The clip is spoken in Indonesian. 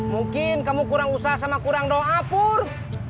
mungkin kamu kurang usaha sama kurang doa pur